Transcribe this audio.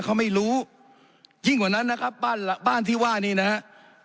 เขาไม่รู้ยิ่งกว่านั้นนะครับบ้านที่ว่าที่นี่นะฮะ